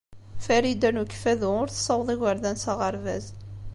Farida n Ukeffadu ur tessaweḍ igerdan s aɣerbaz.